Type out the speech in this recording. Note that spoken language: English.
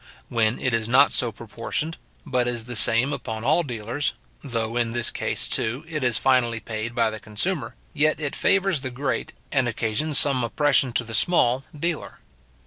When it is not so proportioned, but is the same upon all dealers, though in this case, too, it is finally paid by the consumer, yet it favours the great, and occasions some oppression to the small dealer.